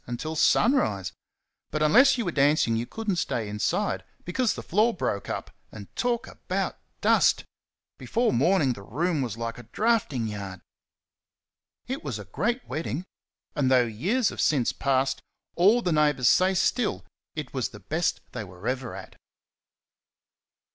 until sun rise. But unless you were dancing you could n't stay inside, because the floor broke up, and talk about dust! before morning the room was like a drafting yard. It was a great wedding; and though years have since passed, all the neighbours say still it was the best they were ever at.